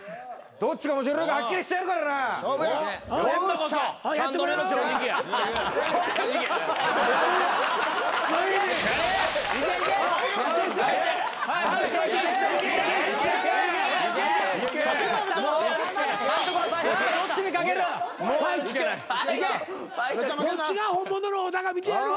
どっちが本物の太田か見てやるわ。